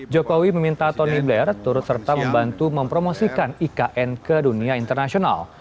jokowi meminta tony blair turut serta membantu mempromosikan ikn ke dunia internasional